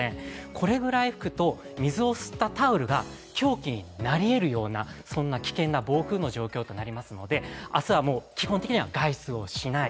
これぐらい吹くと、水を吸ったタオルが凶器になりえるような危険な暴風となりますので、明日は基本的に外出はしない。